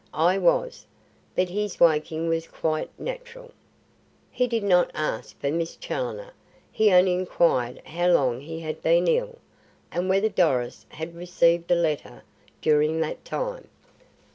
I was, but his waking was quite natural. He did not ask for Miss Challoner; he only inquired how long he had been ill and whether Doris had received a letter during that time.